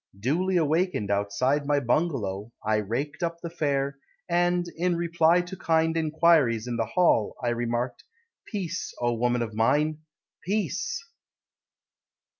Duly awakened Outside my bungalow, I raked up the fare, And, in reply to kind enquiries In the hall, I remarked: "Peace, O woman of mine, Peace!"